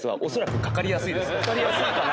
かかりやすいかな？